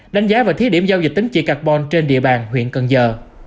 đánh giá và thí điểm giao dịch tính trị carbon trên địa bàn huyện cần giờ